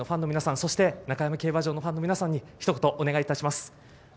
そして、中山競馬場のファンの皆さんに、ひと言お願いいたします。